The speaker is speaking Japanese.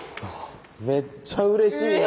めっちゃうれしいな。